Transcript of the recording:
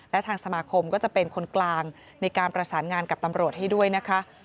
และทางสมาคมก็จะเป็นคนกลางในการประสานงานกับตำรวจให้ด้วยนะคะ